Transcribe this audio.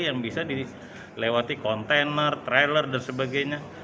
yang bisa dilewati kontainer trailer dan sebagainya